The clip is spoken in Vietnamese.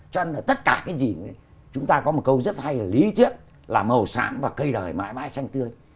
cho nên là tất cả cái gì chúng ta có một câu rất hay là lý thuyết là màu sáng và cây đời mãi mãi xanh tươi